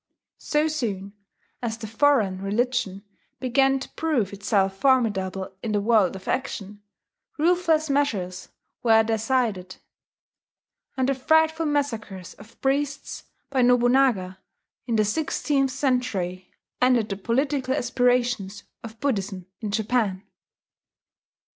So soon as the foreign religion began to prove itself formidable in the world of action, ruthless measures were decided; and the frightful massacres of priests by Nobunaga, in the sixteenth century, ended the political aspirations of Buddhism in Japan.